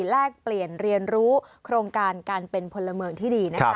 แลกเปลี่ยนเรียนรู้โครงการการเป็นพลเมืองที่ดีนะครับ